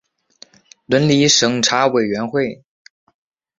伦理审查委员会